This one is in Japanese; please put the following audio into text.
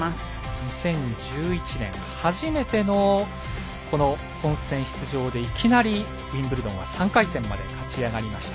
２０１１年初めての本戦出場でいきなりウィンブルドンを３回戦まで勝ち上がりました。